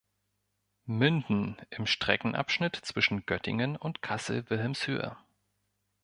Münden, im Streckenabschnitt zwischen Göttingen und Kassel-Wilhelmshöhe.